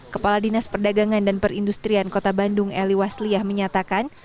kepala dinas perdagangan dan perindustrian kota bandung eli wasliah menyatakan